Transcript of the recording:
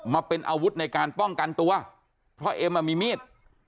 มาเป็นอาวุธในการป้องกันตัวเพราะเอ็มอ่ะมีมีด